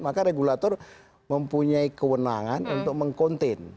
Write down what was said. maka regulator mempunyai kewenangan untuk meng contain